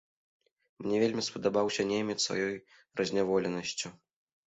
Мне вельмі спадабаўся немец сваёй разняволенасцю.